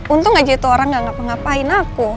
untung gak jadi itu orang yang ngapain ngapain aku